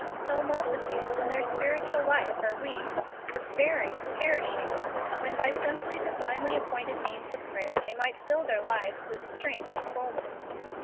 So multitudes in their spiritual life are weak, despairing, perishing, when by the simple divinely appointed means of prayer they might fill their lives with strength and fulness.